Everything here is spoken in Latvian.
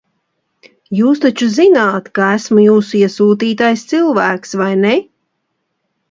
Jūs taču zināt, ka esmu jūsu iesūtītais cilvēks, vai ne?